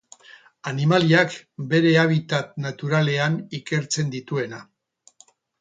Animaliak bere habitat naturalean ikertzen dituena.